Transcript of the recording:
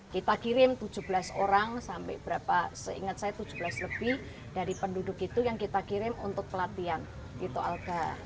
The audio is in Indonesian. kita kirim tujuh belas orang sampai berapa seingat saya tujuh belas lebih dari penduduk itu yang kita kirim untuk pelatihan di toaga